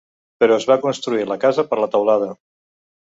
Però es va construir la casa per la teulada.